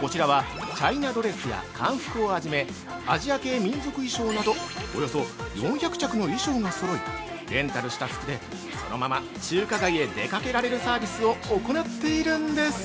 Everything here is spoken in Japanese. こちらはチャイナドレスや漢服を初め、アジア系民族衣装などおよそ４００着の衣装が揃い、レンタルした服でそのまま中華街へ出掛けられるサービスを行なっているんです！